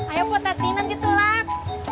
ayo potasinya cik telak